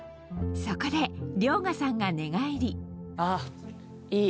そこで遼河さんが寝返りあぁいい。